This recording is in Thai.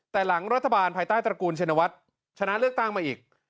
แต่หลังรัฐบาลภายใต้ตระกูลชินวัฒน์ชนะเลือกตั้งมาอีก